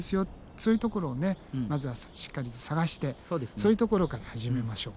そういうところをまずはしっかりと探してそういうところから始めましょう。